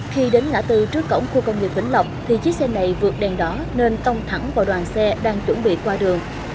khi đến ngã tư trước cổng khu công nghiệp vĩnh lộc thì chiếc xe này vượt đèn đỏ nên tông thẳng vào đoàn xe đang chuẩn bị qua đường